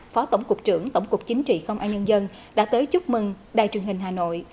phó tổng cục trưởng tổng cục chính trị công an nhân dân đã tới chúc mừng đài truyền hình hà nội